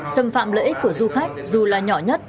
xâm phạm lợi ích của du khách dù là nhỏ nhất